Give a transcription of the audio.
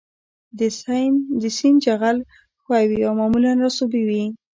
د سیند جغل ښوی وي او معمولاً رسوبي وي